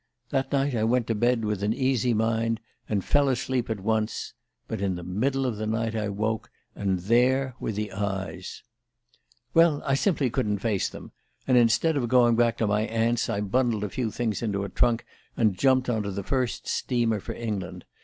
That night I went to bed with an easy mind, and fell asleep at once; but in the middle of the night I woke, and there were the eyes ... "Well, I simply couldn't face them; and instead of going back to my aunt's I bundled a few things into a trunk and jumped onto the first steamer for England.